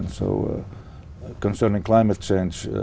nó có nghĩa là